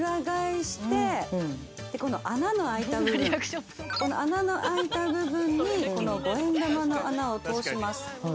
この穴の開いた部分にこの五円玉の穴を通します。